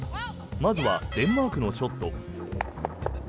まずはデンマークのショット。